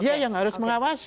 dia yang harus mengawasi